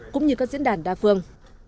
cũng như các diễn đàn đa phương